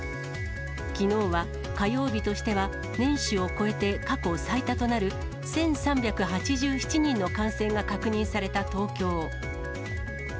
きのうは火曜日としては、年始を超えて過去最多となる１３８７人の感染が確認された東京。